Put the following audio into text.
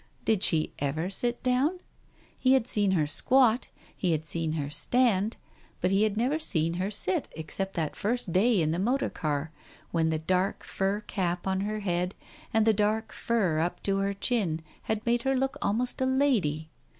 Did she ever sit down ? He had seen her squat, he had seen her stand, but he had never seen her sit except that first day in the motor car, when, the dark fur cap on her head, and the dark fur up to her chin had made her look almost a lady.